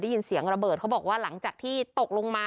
ยินเสียงระเบิดเขาบอกว่าหลังจากที่ตกลงมา